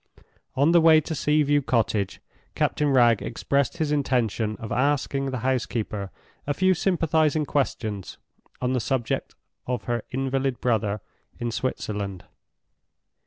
On the way to Sea view Cottage, Captain Wragge expressed his intention of asking the housekeeper a few sympathizing questions on the subject of her invalid brother in Switzerland.